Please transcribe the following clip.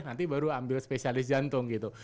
nanti baru ambil spesialis jantung gitu